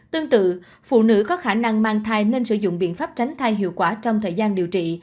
tương tự phụ nữ có khả năng mang thai nên sử dụng biện pháp tránh thai hiệu quả trong thời gian điều trị